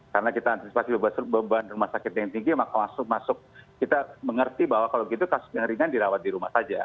karena kita antisipasi beban rumah sakit yang tinggi maka masuk masuk kita mengerti bahwa kalau gitu kasus yang ringan dirawat di rumah saja